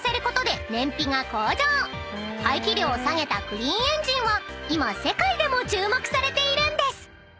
［排気量を下げたクリーンエンジンは今世界でも注目されているんです］